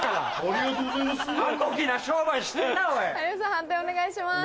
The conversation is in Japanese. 判定お願いします。